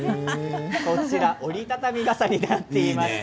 折り畳み傘になっていました。